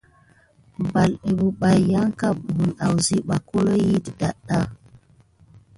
Ɓaɗé pebay yanka buwune asiɓa holohi adaga.